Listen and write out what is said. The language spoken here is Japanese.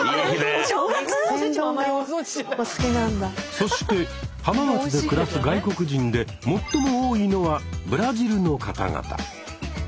そして浜松で暮らす外国人で最も多いのはブラジルの方々。